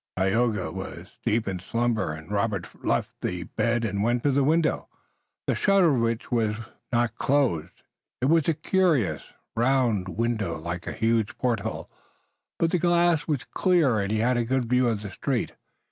Tayoga was deep in slumber, and Robert finally left the bed and went to the window, the shutter of which was not closed. It was a curious, round window, like a huge porthole, but the glass was clear and he had a good view of the street.